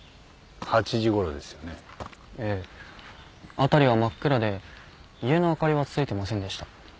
辺りは真っ暗で家の灯りはついてませんでした。